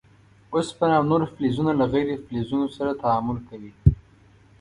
اوسپنه او نور فلزونه له غیر فلزونو سره تعامل کوي.